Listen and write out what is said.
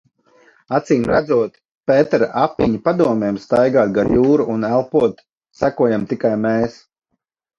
Acīmredzot, Pētera Apiņa padomiem staigāt gar jūru un elpot sekojam tikai mēs.